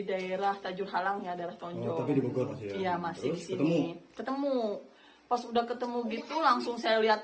atas tajuk halangnya darah ponjol ya masih ketemu ketemu pas udah ketemu gitu langsung saya lihat